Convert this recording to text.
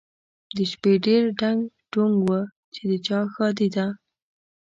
د شپې ډېر ډنګ ډونګ و چې د چا ښادي ده؟